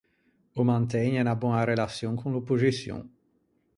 O mantëgne unna boña relaçion con l’oppoxiçion.